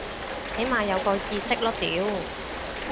起碼有個意識囉屌